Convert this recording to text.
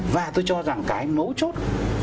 và tôi cho rằng cái mấu chốt